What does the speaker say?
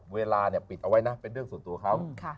เวลาปิดเอาไว้นะเป็นเรื่องส่วนตัวเขา